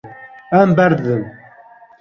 Em berdidin.